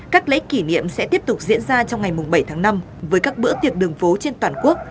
các lễ kỷ niệm sẽ tiếp tục diễn ra trong ngày bảy tháng năm với các bữa tiệc đường phố trên toàn quốc